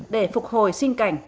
để phục hồi sinh cảnh